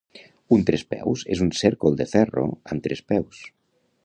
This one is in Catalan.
Un trespeus és un cèrcol de ferro amb tres peus.